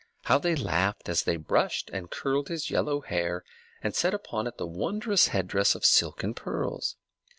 How they laughed as they brushed and curled his yellow hair, and set upon it the wondrous headdress of silk and pearls!